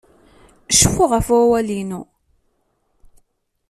Cfu ɣef wawal-inu!